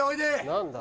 何だ？